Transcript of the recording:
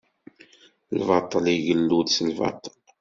Lbaṭel igellu-d s lbaṭel.